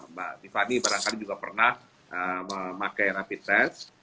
mbak tiffany barangkali juga pernah memakai rapid test